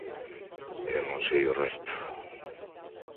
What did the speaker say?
Eu non sei o resto.